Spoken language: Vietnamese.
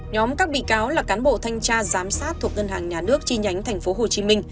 nhóm các bị cáo là cán bộ thanh tra giám sát thuộc ngân hàng nhà nước chi nhánh tp hcm